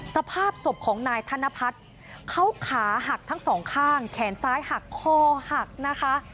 สภาพศพของนายธนพัฒน์เขาขาหักทั้งสองข้างแขนซ้ายหักคอหักนะคะ